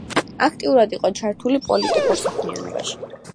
აქტიურად იყო ჩართული პოლიტიკურ საქმიანობაში.